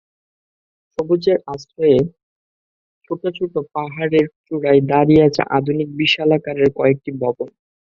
সবুজের আশ্রয়ে ছোট ছোট পাহাড়ের চূড়ায় দাঁড়িয়ে আছে আধুনিক, বিশালাকারের কয়েকটি ভবন।